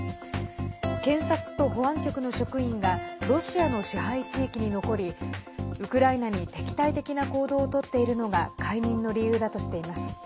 検察と保安局の職員がロシアの支配地域に残りウクライナに敵対的な行動をとっているのが解任の理由だとしています。